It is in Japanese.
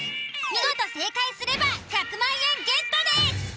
見事正解すれば１００万円ゲットです。